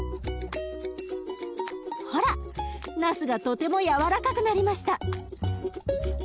ほらなすがとても軟らかくなりました。